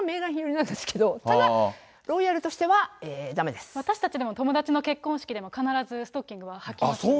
そこはメーガン妃寄りなんですけど、ただ、ロイヤルとしてはだめ私たちでも、友達の結婚式でも必ずストッキングははきますよ。